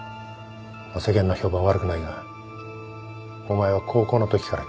世間の評判は悪くないがお前は高校のときから嫌ってた。